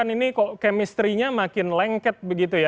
ini kok kemistrinya makin lengket begitu ya